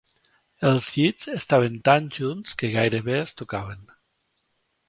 Els llits estaven tan junts que gairebé es tocaven